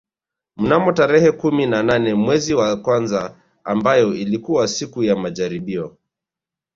Mnamo tarehe kumi na nane mwezi wa kwanza mbayo ilikuwa siku ya majaribio